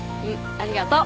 ありがとう。